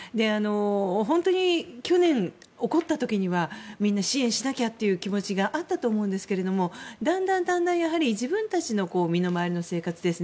本当に去年起こった時にはみんな支援しなきゃという気持ちがあったと思うんですけどだんだん自分たちの身の回りの生活ですね。